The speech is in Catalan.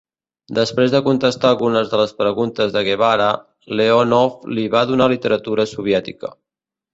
Després de contestar algunes de les preguntes de Guevara, Leonov li va donar literatura soviètica.